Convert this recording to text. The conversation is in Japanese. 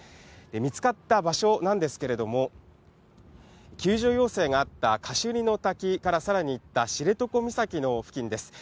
見つかった場所なんですけれども、救助要請があったカシュニの滝からさらに行った知床岬の付近です。